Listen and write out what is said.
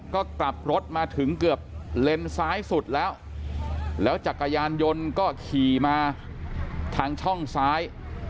ก็กลับรถมาถึงเกือบเลนซ้ายสุดแล้วแล้วจักรยานยนต์ก็ขี่มาทางช่องซ้าย